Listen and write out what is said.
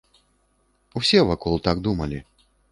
Усе вакол так думалі.